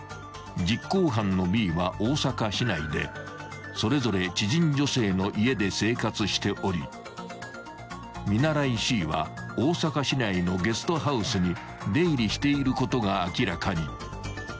［実行犯のＢは大阪市内でそれぞれ知人女性の家で生活しており見習いＣは大阪市内のゲストハウスに出入りしていることが明らかに］